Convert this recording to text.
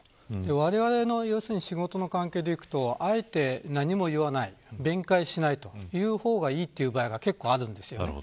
われわれの仕事の関係でいうとあえて何も言わない、弁解しないそういう方がいいという場合があります。